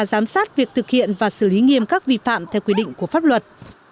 giám sát việc thực hiện và xử lý nghiêm các vi phạm theo quy định của pháp luật